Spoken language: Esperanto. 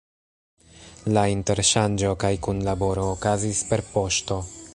La interŝanĝo kaj kunlaboro okazis per poŝto.